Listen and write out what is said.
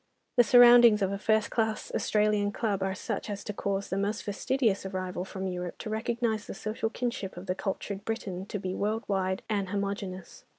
The surroundings of a first class Australian Club are such as to cause the most fastidious arrival from Europe to recognise the social kinship of the cultured Briton to be worldwide and homogeneous.